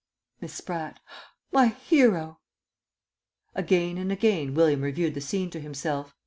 Miss Spratt. My hero! Again and again William reviewed the scene to himself.